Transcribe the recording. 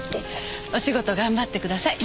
お仕事頑張ってください。